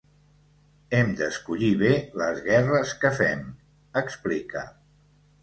Hem d’escollir bé les guerres que fem, explica.